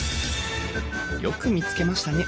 「よく見つけましたね！